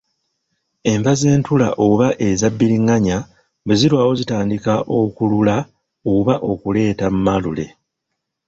Enva z’entula oba eza bbiringanya bwe zirwawo zitandika okulula oba okuleeta Malule.